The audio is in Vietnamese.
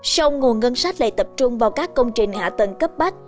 sông nguồn ngân sách lại tập trung vào các công trình hạ tầng cấp bách